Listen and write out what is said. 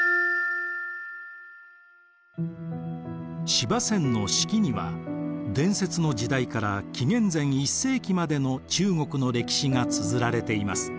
司馬遷の「史記」には伝説の時代から紀元前１世紀までの中国の歴史がつづられています。